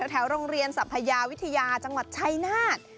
แถวโรงเรียนสัพยาวิทยาจังหวัดชัยนาธ